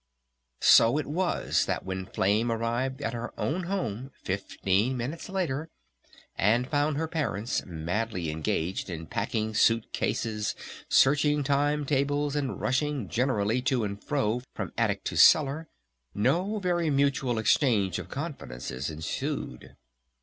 So it was that when Flame arrived at her own home fifteen minutes later, and found her parents madly engaged in packing suit cases, searching time tables, and rushing generally to and fro from attic to cellar, no very mutual exchange of confidences ensued.